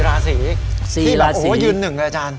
ราศีที่แบบโอ้โหยืนหนึ่งเลยอาจารย์